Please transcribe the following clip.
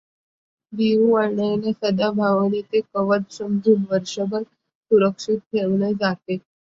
बिहु वाणाला सदभावनेचे कवच समजून वर्षभर सुरक्षित ठेवले जाते.